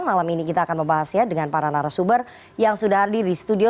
malam ini kita akan membahasnya dengan para narasumber yang sudah hadir di studio